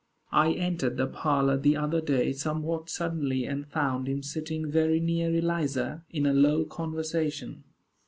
I entered the parlor the other day, somewhat suddenly, and found him sitting very near Eliza, in a low conversation.